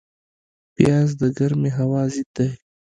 پیاز د ګرمې هوا ضد دی